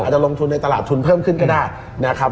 จะลงทุนในตลาดทุนเพิ่มขึ้นก็ได้นะครับ